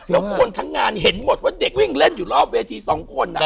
แล้วคนทั้งงานเห็นหมดว่าเด็กวิ่งเล่นอยู่รอบเวทีสองคน